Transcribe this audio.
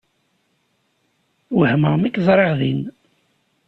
Wehmeɣ mi k-ẓriɣ din.